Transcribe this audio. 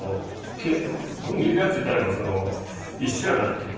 ふんぎりがついたのが一緒やなと結局。